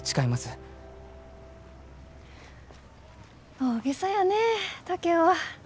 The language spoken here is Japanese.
大げさやね竹雄は。